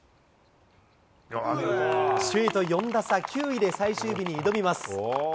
首位と４打差、９位で最終日に挑みます。